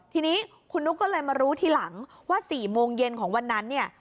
ทีนี้คุณนุ๊กก็เลยมารู้ทีหลังว่า๔โมงเย็นของวันนั้นเนี่ย